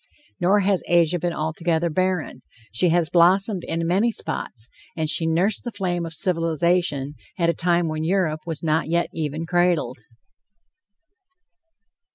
Nor has Asia been altogether barren; she has blossomed in many spots, and she nursed the flame of civilization at a time when Europe was not yet even cradled.